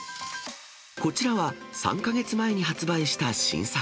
こちらは、３か月前に発売した新作。